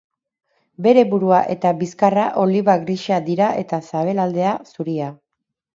Bere burua eta bizkarra oliba-grisa dira eta sabelaldea zuria.